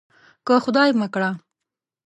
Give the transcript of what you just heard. که خدای مه کړه.